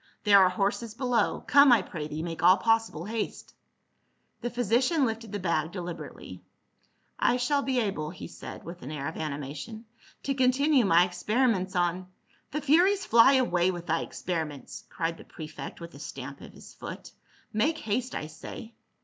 " There are horses below. Come, I pray thee, make all pos sible haste." The physician lifted the bag deliberately. ^' I shall be able," he said with an air of animation, *'to con tinue my experiments on —" "The furies fly away with thy experiments!" cried the prefect with a stamp of his foot. " Make haste, I say."